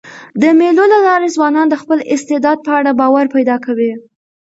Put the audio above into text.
د مېلو له لاري ځوانان د خپل استعداد په اړه باور پیدا کوي.